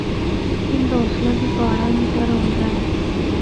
ان دا حوصلہ بھی پہاڑاں دی طرح ہوندا اے۔